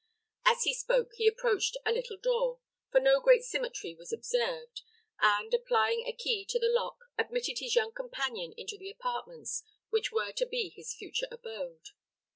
As he spoke, he approached a little door for no great symmetry was observed and, applying a key to the lock, admitted his young companion into the apartments which were to be his future abode.